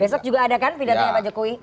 besok juga ada kan pidatonya pak jokowi